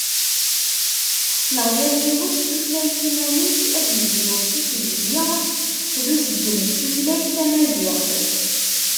Neɣ yal yiwet d tutlayt iman-s ad d-yeglun s usezdi d useggem n tutlayt Tamaziɣt.